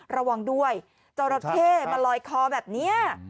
ระวังด้วยเจ้าระเท่มันลอยคอแบบนี้